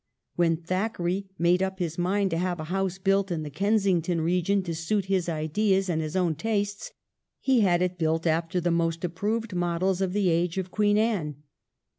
When Thackeray made up his mind to have a house built in the Kensington region to suit his own ideas and his own tastes, he had it built after the most approved models of the age of Queen Anne.